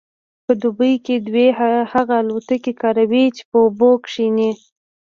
په دوبي کې دوی هغه الوتکې کاروي چې په اوبو کیښني